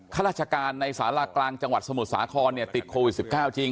ฮรราชการในสาลากลางจังหวัดสมุทรสาครเนี่ยติดโควิดสิบเก้าจริง